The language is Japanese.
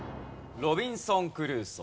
『ロビンソン・クルーソー』。